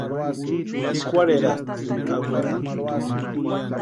Pʼikwarherasti ka werani.